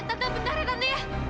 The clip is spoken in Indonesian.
tante aduh pergi madu